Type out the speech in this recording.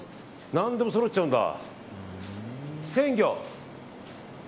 何でもそろっちゃうんだ。